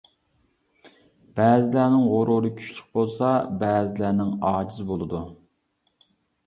بەزىلەرنىڭ غۇرۇرى كۈچلۈك بولسا، بەزىلەرنىڭ ئاجىز بولىدۇ.